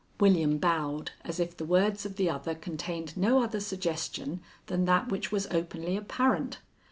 William bowed as if the words of the other contained no other suggestion than that which was openly apparent.